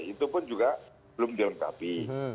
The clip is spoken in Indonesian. itu pun juga belum dilengkapi